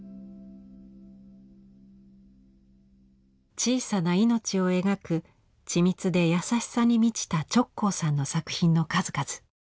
小さな命を描く緻密で優しさに満ちた直行さんの作品の数々。